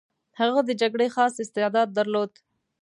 هغه د جګړې خاص استعداد درلود.